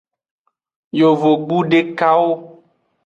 Yovogbu dekawo.